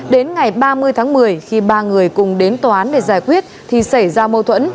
đến ngày ba mươi tháng một mươi khi ba người cùng đến tòa án để giải quyết thì xảy ra mâu thuẫn